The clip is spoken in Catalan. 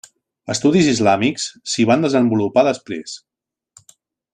Estudis islàmics s'hi van desenvolupar després.